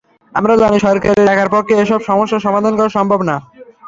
আমরা জানি, সরকারের একার পক্ষে এসব সমস্যার সমাধান করা সম্ভব না।